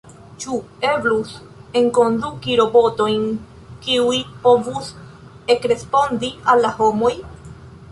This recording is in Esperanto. Ĉu eblus enkonduki robotojn, kiuj povus ekrespondi al la homoj?